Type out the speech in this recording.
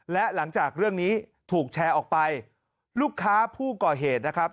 และหลังจากเรื่องนี้ถูกแชร์ออกไปลูกค้าผู้ก่อเหตุนะครับ